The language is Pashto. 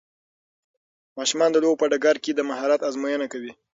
ماشومان د لوبو په ډګر کې د مهارت ازموینه کوي.